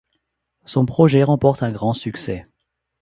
Son projet remporte un grand succès.